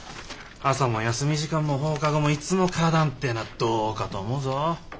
朝も休み時間も放課後もいつも花壇っていうのはどうかと思うぞ。